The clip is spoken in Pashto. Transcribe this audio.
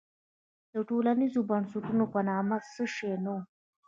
د ټولنیزو بنسټونو په نامه څه شی نه وو.